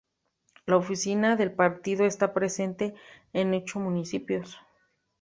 La oficina del partido esta presente en ocho municipios.